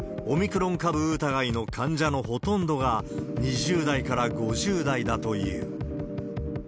オミクロン株疑いの患者のほとんどが２０代から５０代だという。